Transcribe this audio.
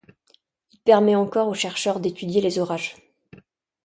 Il permet encore aux chercheurs d'étudier les orages.